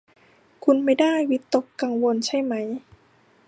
คุณไม่ได้วิตกกังวลใช่มั้ย